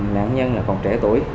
nạn nhân là con trẻ tuổi